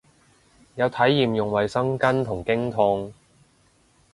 有體驗用衛生巾同經痛